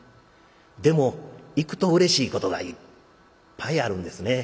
でも行くとうれしいことがいっぱいあるんですね。